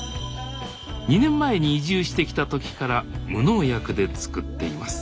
２年前に移住してきた時から無農薬で作っています。